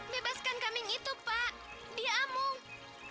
bebaskan kambing itu pak dia amuk